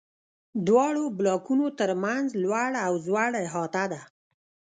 دواړو بلاکونو تر منځ لوړ او ځوړ احاطه ده.